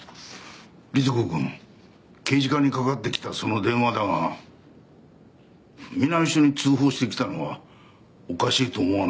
りつ子くん刑事課にかかってきたその電話だが南署に通報してきたのはおかしいと思わないか？